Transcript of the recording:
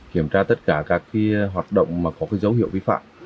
kiểm tra tất cả các cái hoạt động mà có cái dấu hiệu vi phạm